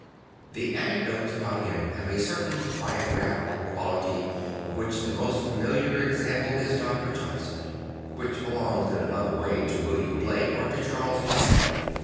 The anecdotes about him have a certain biographical quality of which the n10st famìliar example is Dr. Johnson; which belongs in another way to William Blake or to Charles Lamb.